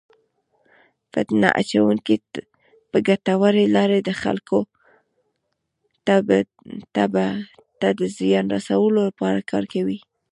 فتنه اچونکي په ګټورې لارې خلکو ته د زیان رسولو لپاره کار کوي.